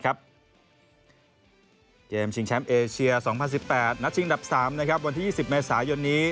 ชิงแชมป์เอเชีย๒๐๑๘นัดชิงดับ๓วันที่๒๐เมษายนนี้